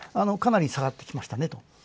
かなり下がってきましたね。